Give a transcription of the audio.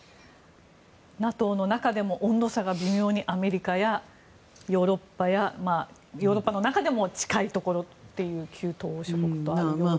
ＮＡＴＯの中でも温度差が微妙にアメリカやヨーロッパやヨーロッパの中でも近いところという旧東欧諸国ということですが。